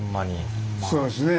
そうですね。